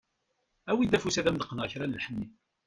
Awi-d afus ad am-d-qqneɣ kra n lḥenni.